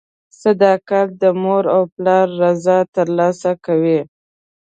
• صداقت د مور او پلار رضا ترلاسه کوي.